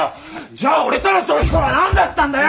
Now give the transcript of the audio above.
じゃあ俺との逃避行は何だったんだよ！